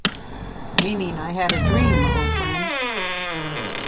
Meaning I had a dream O friend!